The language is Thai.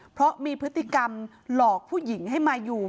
เพราะมีพฤติกรรมหลอกผู้หญิงให้มาอยู่